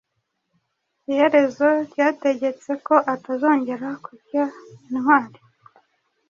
Iherezo ryategetse ko atazongera kurya intwari